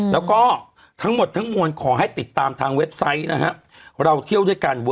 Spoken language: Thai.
แล้วก็ทั้งหมดทั้งมวลขอให้ติดตามทางเว็บไซต์นะครับ